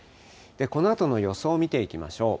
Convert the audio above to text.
このあとの予想を見ていきましょう。